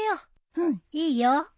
うんいいよ。